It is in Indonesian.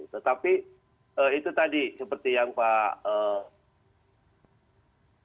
tetapi itu tadi seperti yang pak fikard bilang